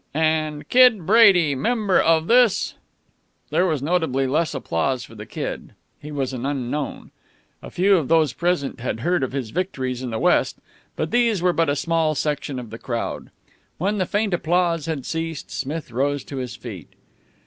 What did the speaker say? " and Kid Brady, member of this " There was noticeably less applause for the Kid. He was an unknown. A few of those present had heard of his victories in the West, but these were but a small section of the crowd. When the faint applause had ceased, Smith rose to his feet.